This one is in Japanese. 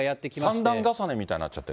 三段重ねみたいになっちゃってる。